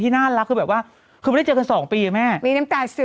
ที่น่ารักคือแบบว่ามันได้เจอกัน๒ปีไหม